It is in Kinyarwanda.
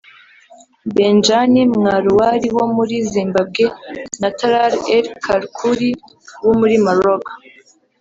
Benjani Mwaruwari wo muri Zimbabwe na Talal El Karkouri wo muri Maroc